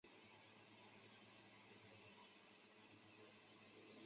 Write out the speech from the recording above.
最终心理学家证实这匹马不能真正地进行计算。